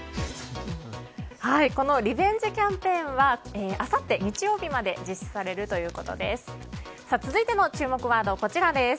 このリベンジキャンペーンはあさって日曜日まで実施されるということです。